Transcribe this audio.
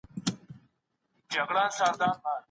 د نورو په کارونو کي مداخله مه کوئ.